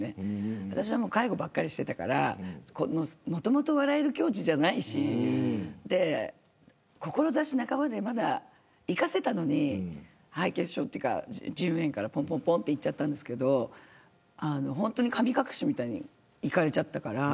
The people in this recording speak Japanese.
私は介護ばかりしてたからもともと笑える境地じゃないし志半ばでまだ生かせたのに敗血症というかぽんぽんと逝っちゃったんですけど本当に神隠しみたいに逝かれちゃったから。